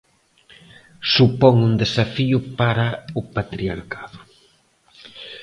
Supón un desafío para o patriarcado.